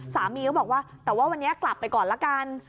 สามีก็บอกว่าแต่ว่าวันนี้กลับไปก่อนละกัน